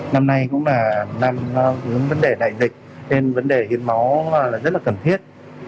năm nay cũng là năm vấn đề đại dịch nên vấn đề hiến máu rất là cần thiết